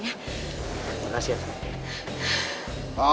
pokoknya kamu pasti menang ya